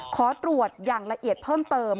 ขอตรวจอย่างละเอียดเพิ่มเติม